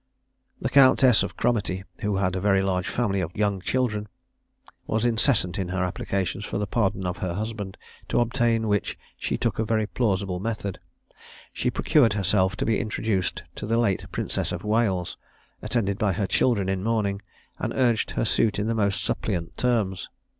The Countess of Cromartie, who had a very large family of young children, was incessant in her applications for the pardon of her husband; to obtain which she took a very plausible method: she procured herself to be introduced to the late Princess of Wales, attended by her children in mourning, and urged her suit in the most suppliant terms.